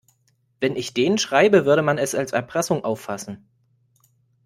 Wenn ich denen schreibe, würde man es als Erpressung auffassen.